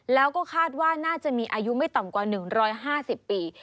แล้วก็คาดว่าน่าจะมีอายุไม่ต่ำกว่า๑๕๐ปี